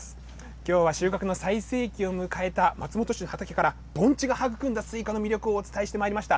きょうは収穫の最盛期を迎えた松本市の畑から、盆地が育んだスイカの魅力をお伝えしてまいりました。